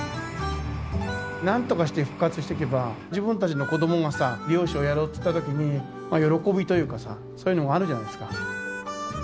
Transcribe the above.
何とかして復活していけば自分たちの子供がさ漁師をやろうって言った時に喜びというかさそういうのがあるじゃないですか。